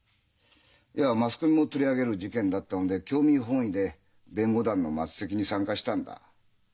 いやマスコミも取り上げる事件だったので興味本位で弁護団の末席に参加したんだ。